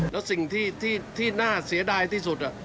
แล้วสิ่งที่น่าเสียดายที่สุด